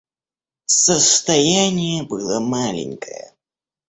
Состояние было маленькое.